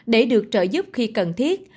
để được trợ giúp khi cần thiết